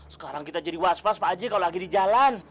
sekarang kita jadi was was pak aji kalau lagi di jalan